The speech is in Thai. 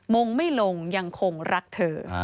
งงไม่ลงยังคงรักเธอ